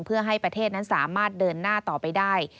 เพื่อให้ประเทศนั้นสามารถเดินหน้าต่อไปได้